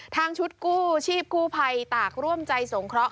ทางชุดกู้ชีพกู้ภัยตากร่วมใจสงเคราะห